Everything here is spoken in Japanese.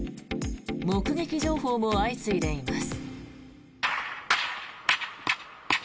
目撃情報も相次いでいます。